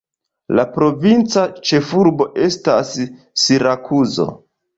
La provinca ĉefurbo estas Sirakuzo.